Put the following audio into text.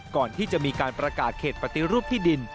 ก่อนที่จะมีการประกาศเขตปฏิรูปที่ดิน